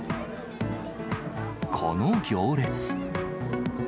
この行列。